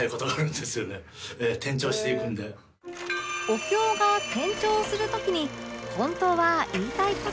お経が転調する時に本当は言いたい事